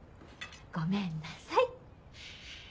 ごめんなさい。